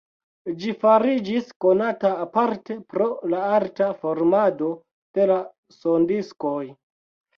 Ĝi fariĝis konata aparte pro la arta formado de la sondiskoj.